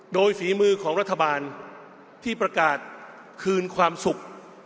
โดยฝีมือของรัฐบาลที่ประกาศคืนความสุข